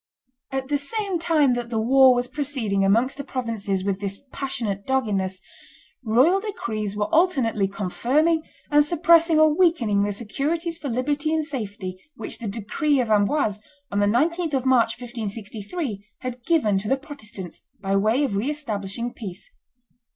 At the same time that the war was proceeding amongst the provinces with this passionate doggedness, royal decrees were alternately confirming and suppressing or weakening the securities for liberty and safety which the decree of Amboise, on the 19th of March, 1563, had given to the Protestants by way of re establishing peace.